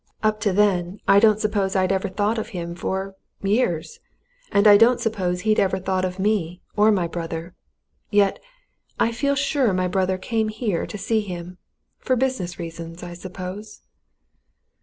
Up to then, I don't suppose I'd ever thought of him for years! And I don't suppose he'd ever thought of me, or of my brother. Yet I feel sure my brother came here to see him. For business reasons, I suppose?"